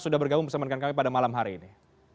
sudah bergabung bersama dengan kami pada malam hari ini